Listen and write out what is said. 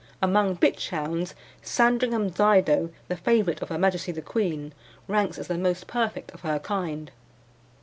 Among bitch hounds Sandringham Dido, the favourite of Her Majesty the Queen, ranks as the most perfect of her kind.